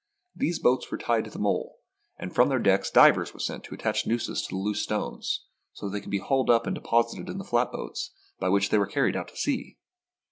These boats were tied to the mole, and from their decks divers were sent to attach nooses to the loose stones, so they could be hauled up and deposited in the flatboats, by which they were carried out to sea.